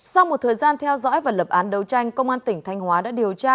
sau một thời gian theo dõi và lập án đấu tranh công an tỉnh thanh hóa đã điều tra